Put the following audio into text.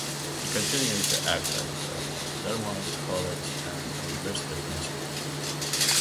He continued to act at Dartmouth College and the University of Michigan.